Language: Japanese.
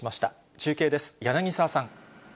中継です、柳沢さん。